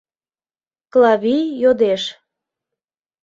— Клавий йодеш.